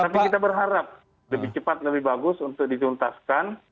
tapi kita berharap lebih cepat lebih bagus untuk dituntaskan